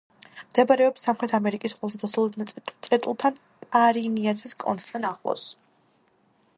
მდებარეობს სამხრეთ ამერიკის ყველაზე დასავლეთ წერტილთან, პარინიასის კონცხთან, ახლოს.